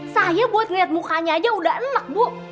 saya buat ngeliat mukanya aja udah enak bu